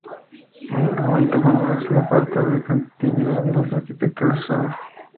Un argumento común es la falta de continuidad de las arquitecturas usadas.